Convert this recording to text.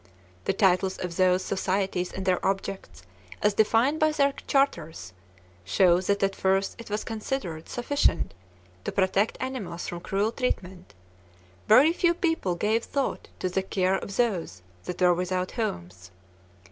The titles of those societies and their objects, as defined by their charters, show that at first it was considered sufficient to protect animals from cruel treatment: very few people gave thought to the care of those that were without homes.